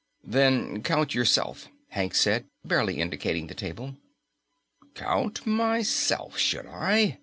"Then count yourself," Hank said, barely indicating the table. "Count myself, should I?"